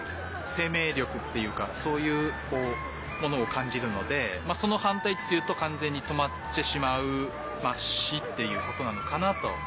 生めい力っていうかそういうものをかんじるのでそのはんたいっていうとかんぜんにとまってしまう「し」っていうことなのかなと。